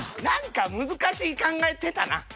何か難しい考えてたな。